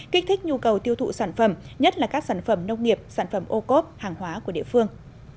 kích thích nhu cầu tiêu thụ sản phẩm nhất là các sản phẩm nông nghiệp sản phẩm ô cốp hàng hóa của địa phương